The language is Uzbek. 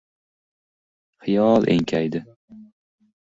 Xiyol enkaydi.